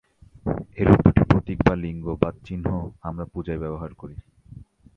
এরূপ দুটি প্রতীক বা লিঙ্গ বা চিহ্ন আমরা পূজায় ব্যবহার করি।